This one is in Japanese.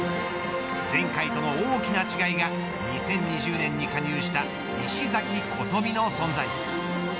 前回との大きな違いが２０２０年に加入した石崎琴美の存在。